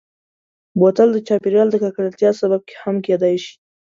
بوتل د چاپېریال د ککړتیا سبب هم کېدای شي.